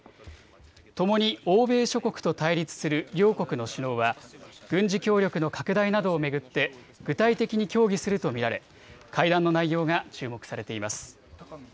ともに欧米諸国と対立する両国の首脳は軍事協力の拡大などを巡って具体的に協議すると見られ会談の内容が注目されています。